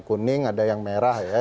kuning ada yang merah ya